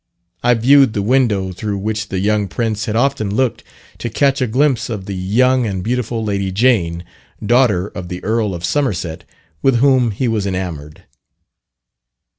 I viewed the window through which the young prince had often looked to catch a glimpse of the young and beautiful Lady Jane, daughter of the Earl of Somerset, with whom he was enamoured.